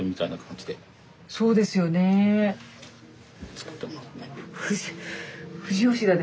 作ってますね。